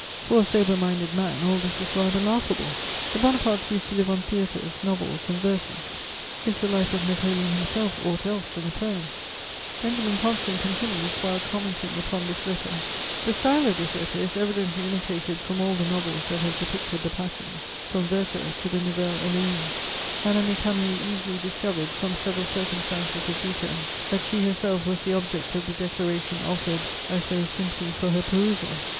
For a sober minded man, all this is rather laughable: the Bonapartes used to live on theatres, novels and verses; is the life of Napoleon himself aught else than a poem? [Sidenote: Lucien's passion.] Benjamin Constant continues, while commenting upon this letter: "The style of this letter is evidently imitated from all the novels that have depicted the passions, from Werther to the Nouvelle Héloïse. Madame Récamier easily discovered, from several circumstances of detail, that she herself was the object of the declaration offered as though simply for her perusal.